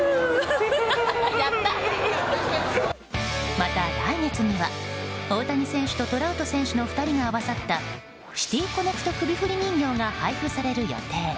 また、来月には大谷選手とトラウト選手の２人が合わさったシティーコネクト首振り人形が配布される予定。